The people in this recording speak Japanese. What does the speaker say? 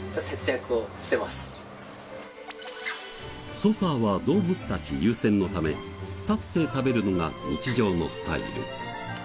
ソファーは動物たち優先のため立って食べるのが日常のスタイル。